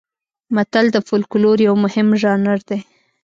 متل د فولکلور یو مهم ژانر دی